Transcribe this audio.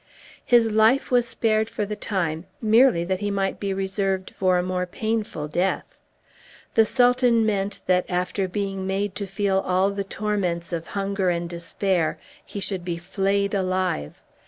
His life was spared for the time, merely that he might be reserved for a more painful death. The Sultan meant that, after being made to feel all the torments of hunger and despair, he should be flayed alive.